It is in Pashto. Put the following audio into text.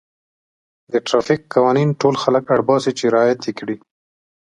د ټرافیک قوانین ټول خلک اړ باسي چې رعایت یې کړي.